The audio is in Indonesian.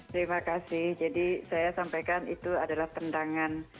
terima kasih jadi saya sampaikan itu adalah tendangan